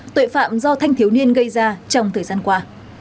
tội phạm do thanh thiếu niên gây ra trong thời gian qua